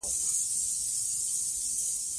تنوع د افغانستان د ځایي اقتصادونو بنسټ دی.